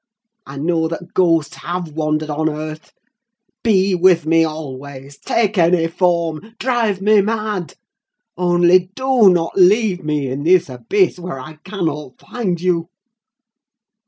I know that ghosts have wandered on earth. Be with me always—take any form—drive me mad! only do not leave me in this abyss, where I cannot find you!